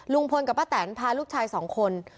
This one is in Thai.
ลุงพลกับป้าแตนพาลูกชายสองคน